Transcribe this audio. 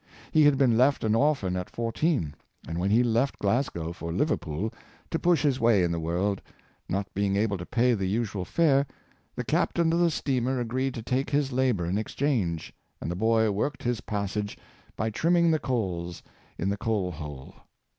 He had been left an orphan at fourteen, and v/hen ho left Glasgow for Liverpool, to push his way in the world, not being able to pay the usual fare, the captain of the steamer agreed to take his labor in exchange, and the boy worked his passage by trimming the coals in the coal hole.